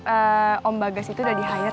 eh om bagas itu udah di hire